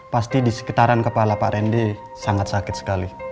pasti di sekitaran kepala pak rende sangat sakit sekali